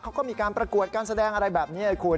เค้าก็มีการประกวดการแสดงอะไรแบบนี้